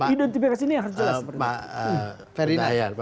identifikasi ini yang jelas